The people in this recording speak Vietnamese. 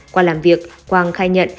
qua làm việc quang khai nhận